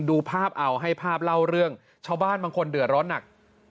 ดูภาพเอาให้ภาพเล่าเรื่องชาวบ้านบางคนเดือดร้อนหนัก